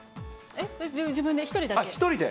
えっ、自分で、１人だけで。